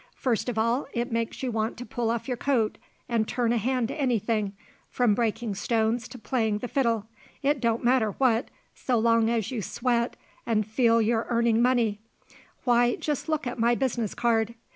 First of all it makes you want to pull off your coat and turn a hand to anything, from breakin' stones to playing the fiddle it don't matter what, so long as you sweat an' feel you're earnin' money. Why, just take a look at my business card!"